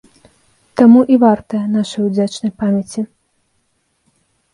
Таму і вартая нашай удзячнай памяці.